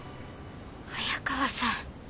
早川さん。